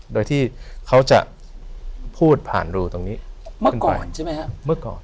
โดยที่เขาจะพูดผ่านรูตรงนี้เมื่อก่อนใช่ไหมฮะเมื่อก่อน